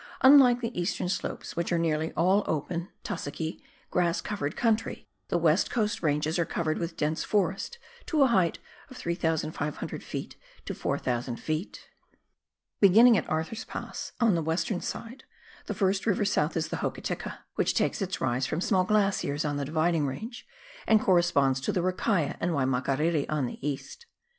Unlike the eastern slopes which are nearly all open, tussocky, grass covered country, the west coast ranges are covered with dense forest to a height of 3,500 ft. to 4,000 ft. *" New Zealand Alpine Journal," vol. i., p. 22. INTRODUCTORY REMARKS. O Begrmnins: at Arthur's Pass on the western side, the first river south is the Hokitika, which takes its rise from small glaciers on the dividing range, and corresponds to the Rakaia and Waimakariri on the east.